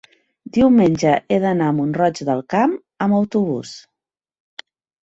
diumenge he d'anar a Mont-roig del Camp amb autobús.